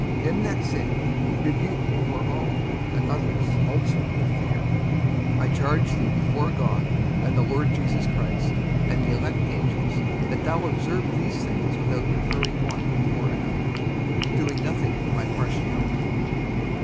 54:005:020 Them that sin rebuke before all, that others also may fear. 54:005:021 I charge thee before God, and the Lord Jesus Christ, and the elect angels, that thou observe these things without preferring one before another, doing nothing by partiality.